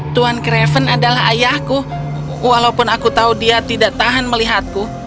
tuan craven adalah ayahku walaupun aku tahu dia tidak tahan melihatku